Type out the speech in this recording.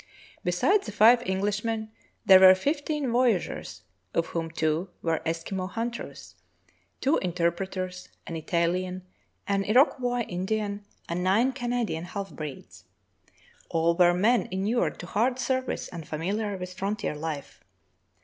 Besides the five Englishmen, there were fifteen voya Franklin on the Barren Grounds 21 geurs, of whom two were Eskimo hunters, two inter preters, an Itahan, an Iroquois Indian, and nine Cana dian half breeds. All were men inured to hard service and familiar with frontier hfe.